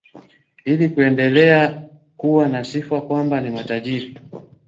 ili kuendelea kuwa na sifa kwamba ni matajiri